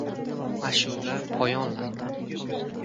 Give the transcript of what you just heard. Ashula poyonladi.